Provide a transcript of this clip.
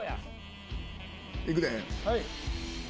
いくで。